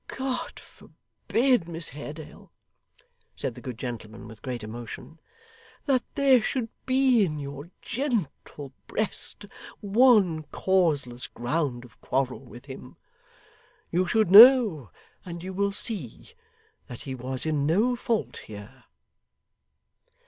God forbid, Miss Haredale,' said the good gentleman, with great emotion, 'that there should be in your gentle breast one causeless ground of quarrel with him. You should know, and you will see, that he was in no fault here.